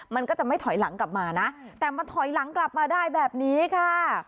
มันก็จะไม่ถอยหลังกลับมานะแต่มันถอยหลังกลับมาได้แบบนี้ค่ะ